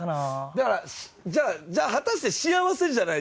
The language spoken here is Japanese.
だからじゃあ果たして幸せじゃない